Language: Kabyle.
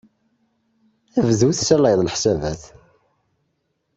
Bdu tessalayeḍ leḥsabat.